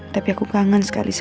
tapi aku kangen sekali